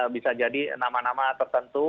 bisa jadi nama nama tertentu